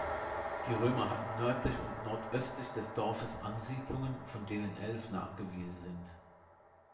Die Römer hatten nördlich und nordöstlich des Dorfes Ansiedlungen, von denen elf nachgewiesen sind.